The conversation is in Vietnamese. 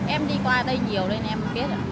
em đi qua đây nhiều nên em không biết